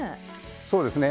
そうですね。